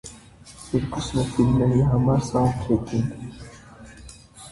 Երկուսն էլ ֆիլմերի համար սաունդթրեք էին։